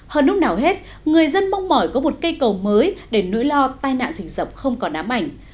hơn lúc nào hết người dân mong mỏi có một cây cầu mới để nỗi lo tai nạn dịch dập không còn